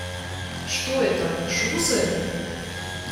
Что это "шузы"?